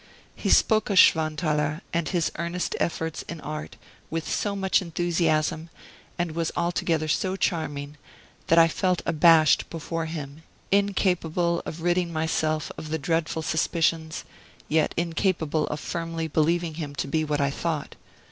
He spoke of Schwanthaler, and his earnest efforts in art, with so much enthusiasm, and was altogether so charming, that I felt abashed before him, incapable of ridding myself of the dreadful suspicions, yet incapable of firmly believing him to be what I thought.